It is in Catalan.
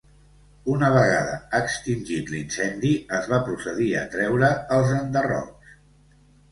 Una vegada extingit l'incendi, es va procedir a treure els enderrocs.